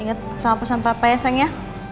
ingat sama pesan papa ya seng ya